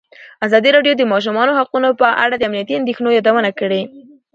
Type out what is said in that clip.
ازادي راډیو د د ماشومانو حقونه په اړه د امنیتي اندېښنو یادونه کړې.